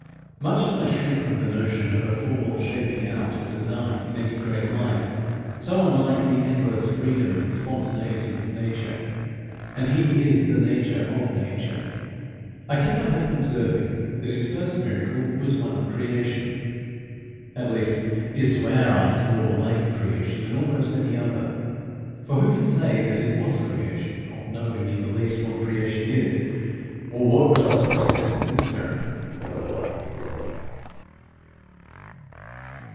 Much as I shrink from the notion of a formal shaping out of design in any great life, so unlike the endless freedom and spontaneity of nature (and He is the Nature of nature), I cannot help observing that his first miracle was one of creation at least, is to our eyes more like creation than almost any other for who can say that it was creation, not knowing in the least what creation is, or what was the process in this miracle?